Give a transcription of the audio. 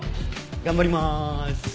頑張ります。